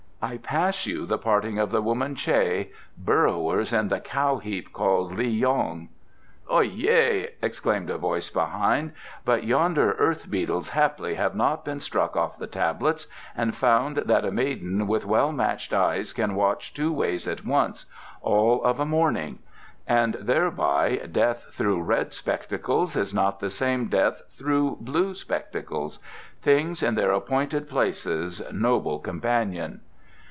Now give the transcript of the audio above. I pass you the parting of the woman Che, burrowers in the cow heap called Li yong." "Oi ye!" exclaimed a voice behind, "but yonder earth beetles haply have not been struck off the Tablets and found that a maiden with well matched eyes can watch two ways at once, all of a morning: and thereby death through red spectacles is not that same death through blue spectacles. Things in their appointed places, noble companion."